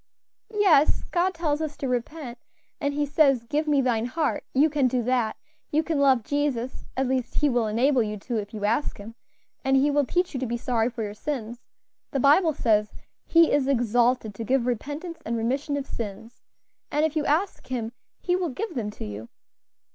"Yes, God tells us to repent; and He says, 'Give me thine heart;' you can do that; you can love Jesus; at least He will enable you to, if you ask Him, and He will teach you to be sorry for your sins; the Bible says, 'He is exalted to give repentance and remission of sins;' and if you ask Him He will give them to you.